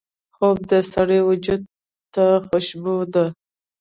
خوب د سړي وجود ته خوشبو ده